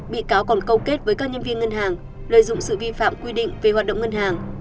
bị cáo còn câu kết với các nhân viên ngân hàng lợi dụng sự vi phạm quy định về hoạt động ngân hàng